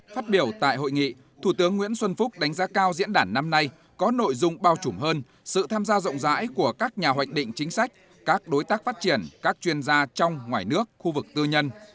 phát biểu tại hội nghị thủ tướng nguyễn xuân phúc đánh giá cao diễn đàn năm nay có nội dung bao trùm hơn sự tham gia rộng rãi của các nhà hoạch định chính sách các đối tác phát triển các chuyên gia trong ngoài nước khu vực tư nhân